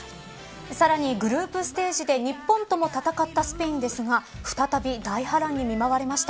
さらに、グループステージで日本とも戦ったスペインですが再び、大波乱に見舞われました。